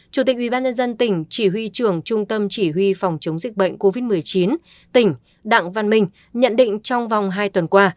chủ tịch ubnd tỉnh chỉ huy trưởng trung tâm chỉ huy phòng chống dịch bệnh covid một mươi chín tỉnh đặng văn minh nhận định trong vòng hai tuần qua